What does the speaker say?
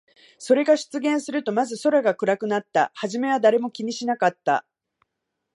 それが出現すると、まず空が暗くなった。はじめは誰も気にしなかった。